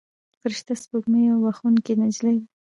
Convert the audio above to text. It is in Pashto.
فرشته سپوږمۍ یوه بښونکې نجلۍ ده.